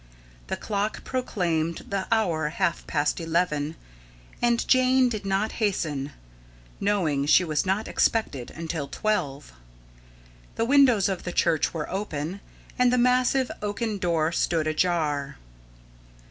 The clock proclaimed the hour half past eleven, and Jane did not hasten, knowing she was not expected until twelve. The windows of the church were open, and the massive oaken doors stood ajar.